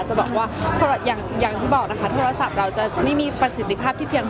จะบอกว่าอย่างที่บอกนะคะโทรศัพท์เราจะไม่มีประสิทธิภาพที่เพียงพอ